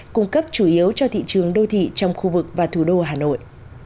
cung cấp chủ yếu cho thị trường đô thị trong khu vực và thủ đô hà nội